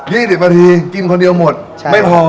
๒๐นาทีกินคนเดียวหมดไม่พอ